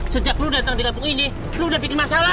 sejak lu datang di kampung ini lu udah bikin masalah